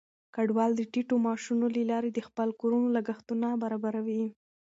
کډوال د ټیټو معاشونو له لارې د خپلو کورونو لګښتونه برابروي.